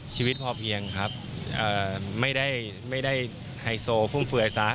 ชีวิตพอเพียงครับไม่ได้ไฮโซฟุ่มเฟื่อยซะ